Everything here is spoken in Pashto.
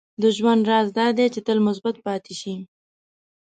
• د ژوند راز دا دی چې تل مثبت پاتې شې.